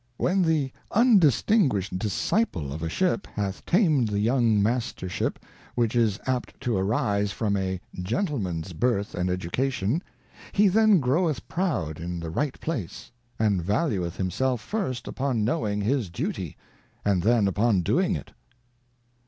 ' When the undistinguish'd Discipline of a Ship hath tamed the young Mastership, which is apt to arise from a Gentleman's Birth and Education, he then groweth Proud in the right place, and valueth himself first upon knowing his Duty, and then upon doing it.'